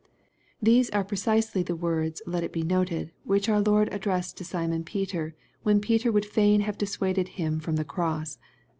] These are precisely the words, let it be noted, which our Lord addressed to Simon Peter, when Peter would rain have dissuaded Him from the cross.